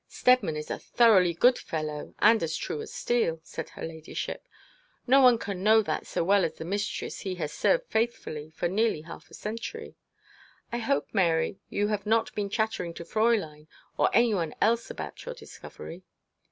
'Steadman is a thoroughly good fellow, and as true as steel,' said her ladyship. 'No one can know that so well as the mistress he has served faithfully for nearly half a century. I hope, Mary, you have not been chattering to Fräulein or any one else about your discovery.'